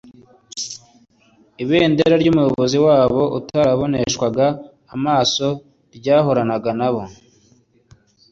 ibendera ry'umuyobozi wabo utaraboneshwaga amaso ryahoranaga nabo